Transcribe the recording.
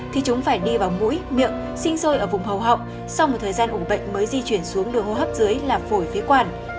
thì chúng phải đi vào mũi miệng sinh sôi ở vùng hầu họng sau một thời gian ủ bệnh mới di chuyển xuống đường hô hấp dưới là phổi phía quản